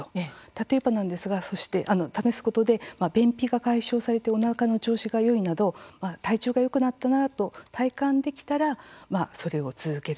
例えばなんですが試すことで、便秘が解消されておなかの調子がよいなど体調がよくなったなあと体感できたら、それを続けると。